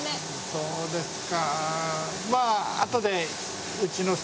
そうですか。